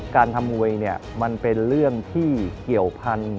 การทำมวยมันเป็นเรื่องที่เกี่ยวพันธุ